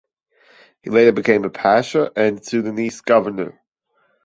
He later became a pasha and Sudanese governor.